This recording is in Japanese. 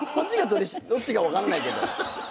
どっちか分かんないけど。